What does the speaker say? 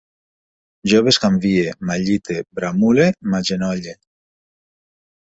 Jo bescanvie, m'allite, bramule, m'agenolle